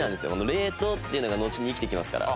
冷凍っていうのがのちに生きてきますから。